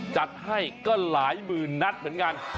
จัดให้ก็หลายหมื่นนัดเหมือนกัน